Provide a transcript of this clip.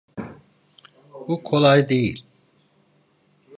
Bu kolay değil.